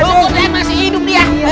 bu mandate masih hidup dia